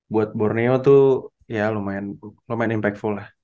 buat borneo tuh ya lumayan impactful lah